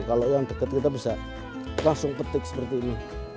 kalau yang dekat kita bisa langsung petik seperti ini